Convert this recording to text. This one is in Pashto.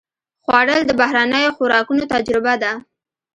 خوړل د بهرنیو خوراکونو تجربه ده